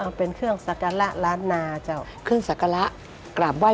กรูผู้สืบสารล้านนารุ่นแรกแรกรุ่นเลยนะครับผม